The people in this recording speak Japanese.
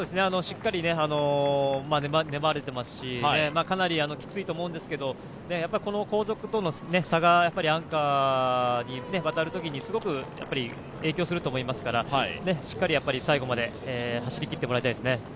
しっかり粘れてますし、かなりきついと思うんですけど、後続との差がアンカーに渡るときにすごく影響すると思いますからしっかり最後まで走りきってもらいたいですね。